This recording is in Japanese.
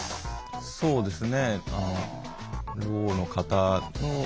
そうですね。